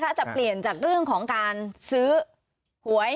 จะเปลี่ยนจากเรื่องของการซื้อหวย